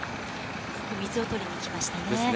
水を取りに来ましたね。